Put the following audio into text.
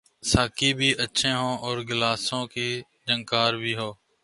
ساقی بھی اچھے ہوں اور گلاسوں کی جھنکار بھی ہو۔